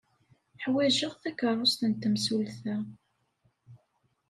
Ḥwajeɣ takeṛṛust n temsulta.